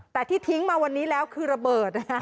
แต่ที่ทิ้งมาวันนี้แล้วคือระเบิดนะฮะ